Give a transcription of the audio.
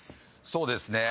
そうですね。